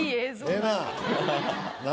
ええな。